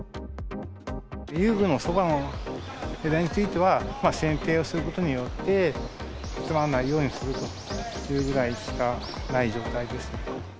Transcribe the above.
遊具のそばの枝については、せんていをすることによって、集まらないようにするということしかない状態です。